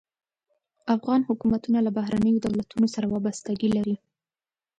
افغان حکومتونه له بهرنیو دولتونو سره وابستګي لري.